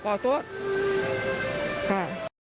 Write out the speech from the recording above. ขอโทษค่ะ